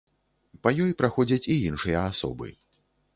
Па ёй праходзяць і іншыя асобы.